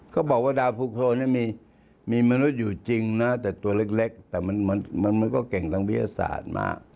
เขาบอกว่าดาวภูโครนมีมนุษย์อยู่จริงนะแต่ตัวเล็กแต่มันก็เก่งทางวิทยาศาสตร์มา